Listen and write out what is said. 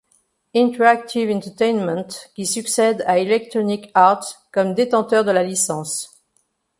Interactive Entertainment, qui succède à Electronic Arts comme détenteur de la licence.